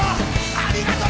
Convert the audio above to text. ありがとね！